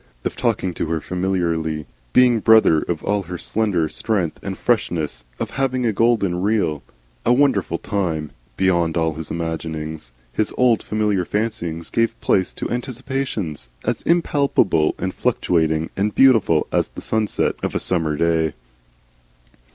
Of talking to her familiarly, being brother of all her slender strength and freshness, of having a golden, real, and wonderful time beyond all his imaginings. His old familiar fancyings gave place to anticipations as impalpable and fluctuating and beautiful as the sunset of a summer day.